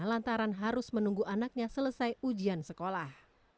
lantaran harus menunggu anaknya selesai ujian sekolah